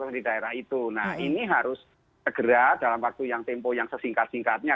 nah ini harus segera dalam waktu yang tempo yang sesingkat singkatnya